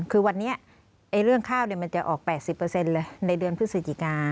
คือวันนี้เรื่องข้าวมันจะออก๘๐เลยในเดือนพฤศจิกา